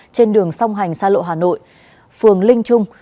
trên đường song hành xa lộ hà nội phường linh trung